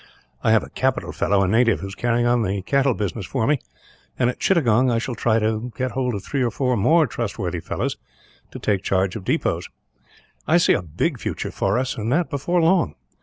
"I have a capital fellow, a native, who is carrying on the cattle business for me and, at Chittagong, I shall try and get hold of three or four more trustworthy fellows, to take charge of depots. I see a big future before us, and that before long.